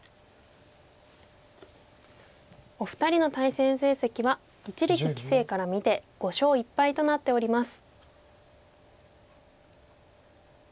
お二人の対戦成績は一力棋聖から見て５勝１敗となっております。